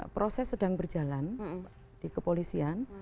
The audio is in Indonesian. proses sedang berjalan di kepolisian